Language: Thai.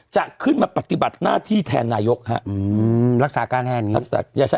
จะขึ้นมาปฏิบัติหน้าที่แทนนายกครับรักษาการแทนครับ